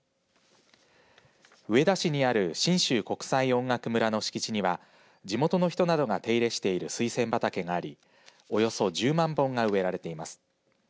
上田市にある信州国際音楽村の敷地には地元の人などが手入れしている水仙畑がありおよそ１０万本が植えられています。